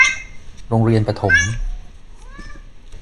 โรงเรียนประถม